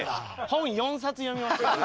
本４冊読みました。